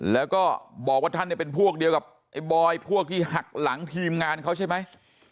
แล้วก็บอกว่าท่านเนี่ยเป็นพวกเดียวกับไอ้บอยพวกที่หักหลังทีมงานเขาใช่ไหม